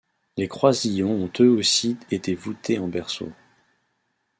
Les croisillons ont eux aussi été voûtés en berceau.